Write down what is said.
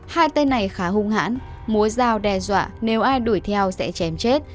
hai tên này khá hung hãn mối dao đe dọa nếu ai đuổi theo sẽ chém chết